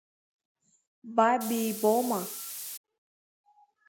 Ба бибома?